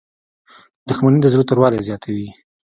• دښمني د زړه توروالی زیاتوي.